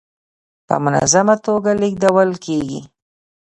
په منظمه ټوګه لېږدول کيږي.